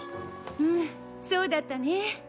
うんそうだったね。